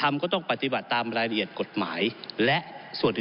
มันก็เป็นเขาเรียกฝรั่งเออเลอร์เอฟเฟคต์มีอยู่แล้วครับ